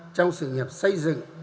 trong sự nghiệp xây dựng